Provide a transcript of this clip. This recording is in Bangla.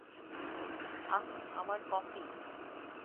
আহ, আমার কফি।